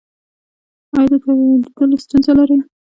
ایا د لیدلو ستونزه لرئ؟